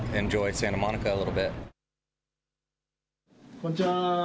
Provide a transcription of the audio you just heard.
こんにちは。